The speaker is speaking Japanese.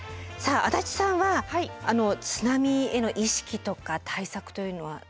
さあ足立さんは津波への意識とか対策というのは？